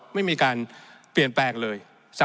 ไม่มีการเปลี่ยนแปลงเลย